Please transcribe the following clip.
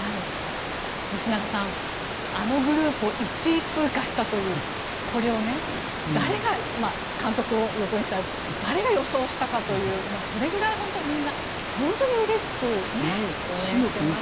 吉永さん、あのグループを１位通過したというこれを誰が監督を横にしてあれですが誰が予想したかというそれぐらい本当にみんな本当にうれしく応援してました。